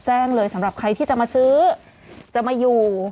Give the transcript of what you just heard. แจ้งเลยสำหรับใครที่จะมาซื้อจะมาอยู่